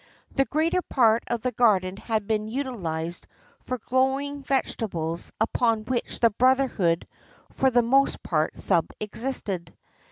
The greater part of the garden had been utilised for growing vegetables, upon which the brotherhood for the most part subsisted.